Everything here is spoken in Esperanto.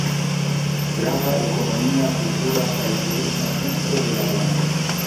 Grava ekonomia, kultura kaj turisma centro de la lando.